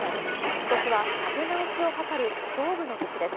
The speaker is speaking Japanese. ことしは立て直しを図る勝負の年です。